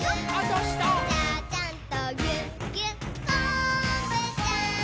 「ちゃちゃんとぎゅっぎゅっこんぶちゃん」